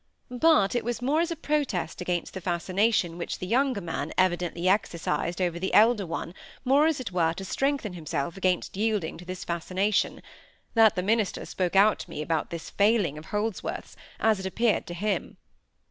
But it was more as a protest against the fascination which the younger man evidently exercised over the elder one more as it were to strengthen himself against yielding to this fascination—that the minister spoke out to me about this failing of Holdsworth's, as it appeared to him.